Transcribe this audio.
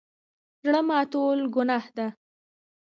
زړه ماتول ګناه ده